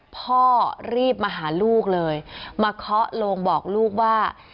พ่อรีบมาหาลูกเลยมาเคาะโลงบอกลูกว่า